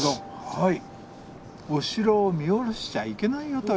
はい。